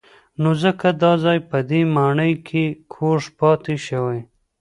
نو ځکه دا ځای په دې ماڼۍ کې کوږ پاتې شوی.